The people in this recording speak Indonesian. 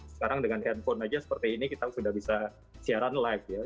sekarang dengan handphone aja seperti ini kita sudah bisa siaran live ya